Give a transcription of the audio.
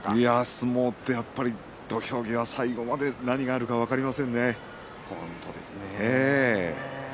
相撲ってやっぱり土俵際最後まで何があるか本当ですね。